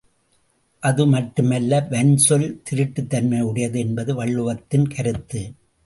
அது மட்டுமல்ல வன் சொல் திருட்டுத்தன்மையுடையது என்பது வள்ளுவத்தின் கருத்து.